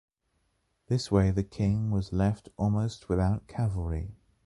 This way the king was left almost without cavalry.